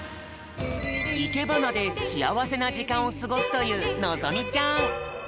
いけばなでしあわせなじかんをすごすというのぞみちゃん。